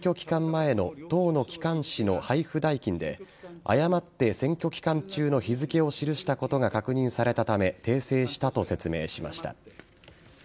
前の党の機関誌の配布代金で誤って選挙期間中の日付を記したことが確認されたため訂正したと説明しました。